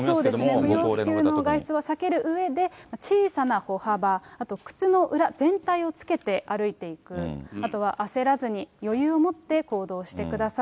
不要不急の外出は避けるうえで小さな歩幅、あと靴の裏、全体をつけて歩いていく、あとは焦らずに余裕を持って行動してください。